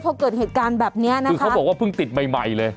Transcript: พอเกิดเหตุการณ์แบบเนี้ยนะคะคือเขาบอกว่าเพิ่งติดใหม่ใหม่เลย